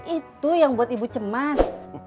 itu yang buat ibu cemas